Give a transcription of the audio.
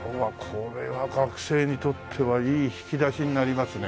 これは学生にとってはいい引き出しになりますね。